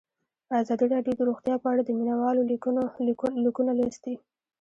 ازادي راډیو د روغتیا په اړه د مینه والو لیکونه لوستي.